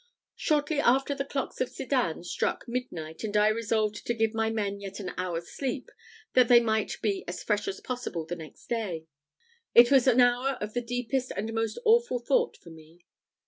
Shortly after the clocks of Sedan struck midnight, and I resolved to give my men yet an hour's sleep, that they might be as fresh as possible the next day. It was an hour of the deepest and most awful thought for me.